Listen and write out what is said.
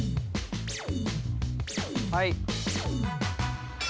はい。